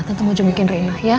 tante mau jemputin rena ya